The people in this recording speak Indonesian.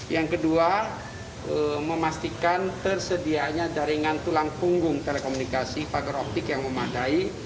yang kedua memastikan tersedianya jaringan tulang punggung telekomunikasi pagar optik yang memadai